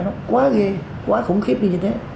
nó quá ghê quá khủng khiếp như thế